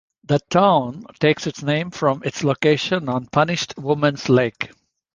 The town takes its name from its location on Punished Woman's Lake.